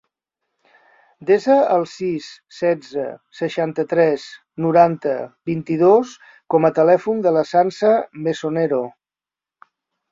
Desa el sis, setze, seixanta-tres, noranta, vint-i-dos com a telèfon de la Sança Mesonero.